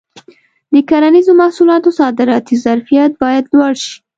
د کرنیزو محصولاتو صادراتي ظرفیت باید لوړ شي.